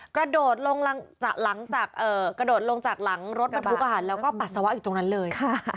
กระโดดลงจากหลังรถบรรทุกอาหารแล้วก็ปัสสาวะอยู่ตรงนั้นเลย